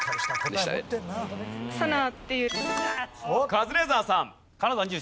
カズレーザーさん。